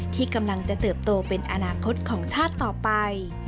ที่กำลังจะเติบโตเป็นอนาคตของชาติต่อไป